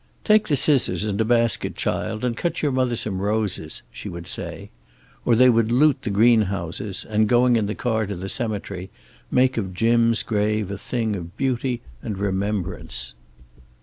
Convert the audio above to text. "Take the scissors and a basket, child, and cut your mother some roses," she would say. Or they would loot the green houses and, going in the car to the cemetery, make of Jim's grave a thing of beauty and remembrance.